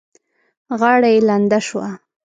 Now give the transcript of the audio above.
غاړه يې لنده شوه.